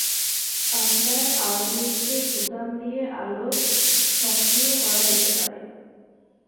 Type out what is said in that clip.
আপনার আর্মরেস্টের বোতাম দিয়ে আলো সক্রিয় করা যেতে পারে।